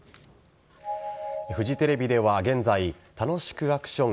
フジテレビでは現在楽しくアクション！